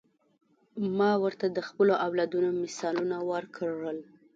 ما ورته د خپلو اولادونو مثالونه ورکړل.